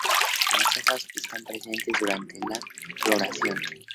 Las hojas están presentes durante la floración.